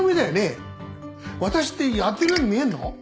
私ってやってるように見えんの？